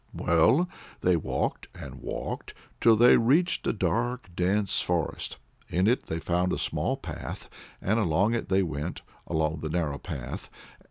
Well, they walked and walked till they reached a dark, dense forest. In it they found a small path, and along it they went along the narrow path.